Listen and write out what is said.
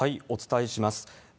お伝えします。